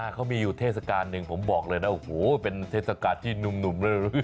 เขามีอยู่เทศกาลหนึ่งผมบอกเลยนะโอ้โหเป็นเทศกาลที่หนุ่มลื้อ